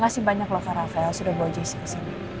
makasih banyak loh kak rafael sudah bawa jessy kesini